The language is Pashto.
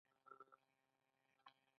ننوتل منع دي